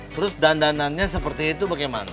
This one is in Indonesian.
terus dandanannya seperti itu bagaimana